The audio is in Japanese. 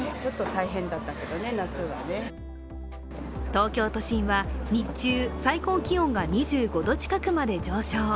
東京都心は日中、最高気温が２５度近くまで上昇。